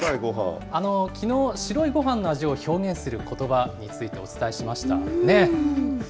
きのう、白いごはんの味を表現することばについてお伝えしましたね。